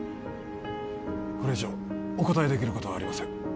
これ以上お答えできることはありません